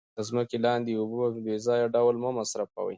د ځمکې لاندې اوبه په بې ځایه ډول مه مصرفوئ.